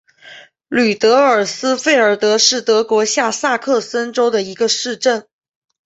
吕德尔斯费尔德是德国下萨克森州的一个市镇。